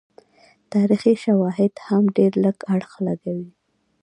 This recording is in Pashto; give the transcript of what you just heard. تاریخي شواهد هم ډېر لږ اړخ لګوي.